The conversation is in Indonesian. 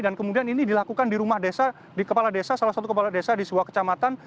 dan kemudian ini dilakukan di rumah desa di kepala desa salah satu kepala desa di sebuah kecamatan